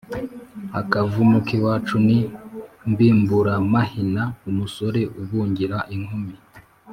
Akavumu k'iwacu ni Mbimburamahina-Umusore ubungira inkumi.